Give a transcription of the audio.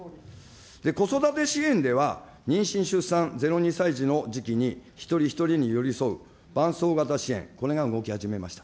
子育て支援では、妊娠・出産、０・２歳児の時期に一人一人に寄り添う伴走型支援、これが動き始めました。